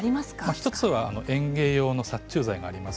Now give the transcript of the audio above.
１つは園芸用の殺虫剤があります。